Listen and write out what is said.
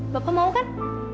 bapak mau kan